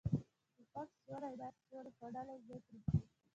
توپک سیوری نه، سیوری خوړلی ځای پرېږدي.